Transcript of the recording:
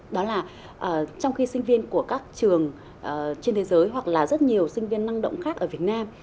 đó là trong khi sinh viên của các trường trên thế giới hoặc là rất nhiều sinh viên năng động khác ở việt nam